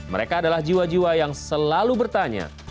mereka adalah jiwa jiwa yang selalu bertanya